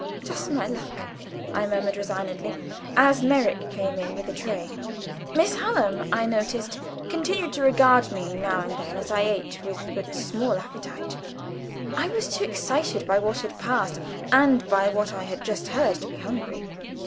"Just my luck," I murmured, resignedly, as Merrick came in with a tray. Miss Hallam, I noticed, continued to regard me now and then as I ate with but small appetite. I was too excited by what had passed, and by what I had just heard, to be hungry.